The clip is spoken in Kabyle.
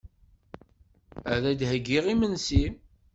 Ad d-heyyiɣ imensi.